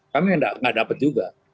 kami tidak dapat juga